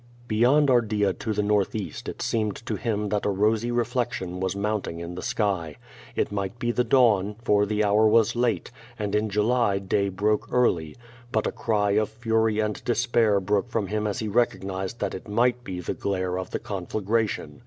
Reyond Ardea to the northeast it seemed to him that a rosy reflection was mounting in the sky. It might be the dawn, for the hour was late, and in July day broke early. Rut a cry of fury and despair broke from him as he recognized that it might be the glare of the conflagration.